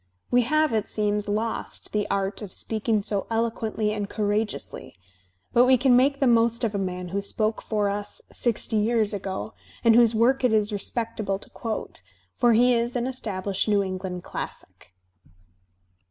We have, it seems, lost the art of speaking so eloquently and courageously, but we can make the most of a man who spoke for us sixty years ago and whose work it is respectable to quote, for he is an established New England classic.